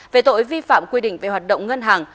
về tội vi phạm quy định về hoạt động ngân hàng